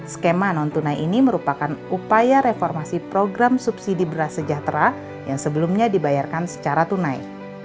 skema non tunai ini merupakan upaya reformasi program subsidi beras sejahtera yang sebelumnya dibayarkan secara tunai